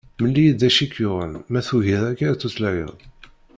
Mel-iyi-d d acu i k-yuɣen mi tugiḍ akka ad d-tutlayeḍ.